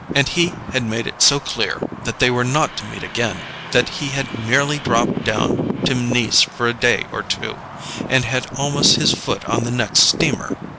And he had made it so clear that they were not to meet again; that he had merely dropped down to Nice for a day or two, and had almost his foot on the next steamer.